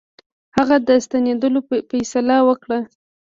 هغه د ستنېدلو فیصله وکړه.